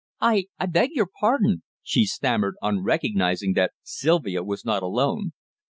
"I I beg your pardon!" she stammered, on recognizing that Sylvia was not alone.